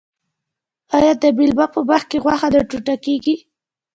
آیا د میلمه په مخکې غوښه نه ټوټه کیږي؟